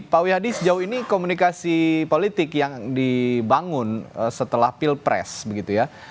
pak wihadi sejauh ini komunikasi politik yang dibangun setelah pilpres begitu ya